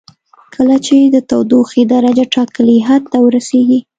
کله چې د تودوخې درجه ټاکلي حد ته ورسیږي.